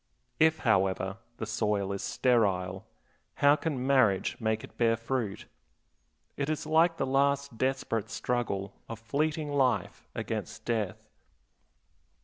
If, however, the soil is sterile, how can marriage make it bear fruit? It is like the last desperate struggle of fleeting life against death.